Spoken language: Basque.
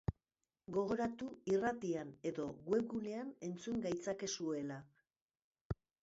Gogoratu irratian edo webgunean entzun gaitzakezuela.